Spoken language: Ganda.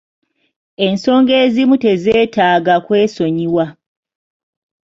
Ensonga ezimu tezeetaaga kwesonyiwa.